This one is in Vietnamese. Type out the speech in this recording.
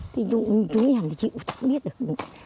thì chúng em thì chịu chẳng biết được